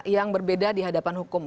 yang berbeda dihadapan hukum